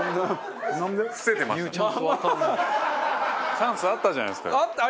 チャンスあったじゃないですか。